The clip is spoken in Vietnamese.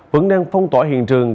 vẫn đang phong tỏa hiện trường